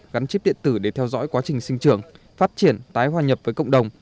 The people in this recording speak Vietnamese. gắn chip điện tử để theo dõi quá trình sinh trưởng phát triển tái hòa nhập với cộng đồng